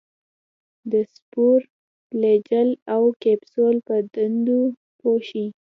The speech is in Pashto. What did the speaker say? د سپور، فلاجیل او کپسول په دندو پوه شي.